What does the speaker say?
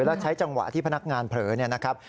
แล้วใช้จังหวะที่พนักงานเผลอเนี่ยนะครับ